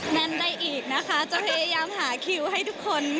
แน่นได้อีกนะคะจะพยายามหาคิวให้ทุกคน